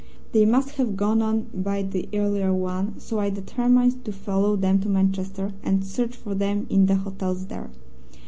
They must have gone on by the earlier one, so I determined to follow them to Manchester and search for them in the hotels there.